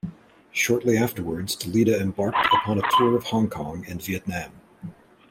Shortly afterwards Dalida embarked upon a tour of Hong Kong and Vietnam.